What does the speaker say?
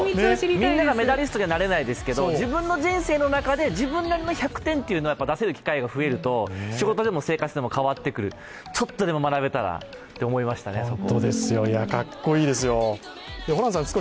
みんながメダリストにはなれないでけど、自分の人生の中で自分なりの１００点というのを出せる機会が増えると仕事でも生活でも変わってくる、ちょっとでも学べたらと思いましたね。